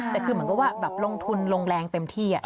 แต่คือเหมือนกับว่าแบบลงทุนลงแรงเต็มที่